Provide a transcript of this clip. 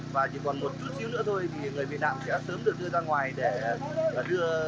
và chỉ còn một chút chịu nữa thôi thì người bị nạn sẽ sớm được đưa ra ngoài để đưa